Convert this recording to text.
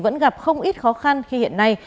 vẫn gặp không ít khó khăn khi hiện nay